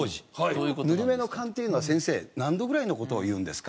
「ぬるめの燗というのは先生何度ぐらいの事を言うんですか？」